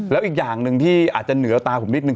แล้วอีกอย่างหนึ่งที่อาจจะเหนือตาผมนิดนึ